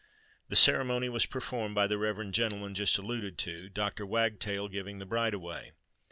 The ceremony was performed by the reverend gentleman just alluded to, Dr. Wagtail giving the bride away.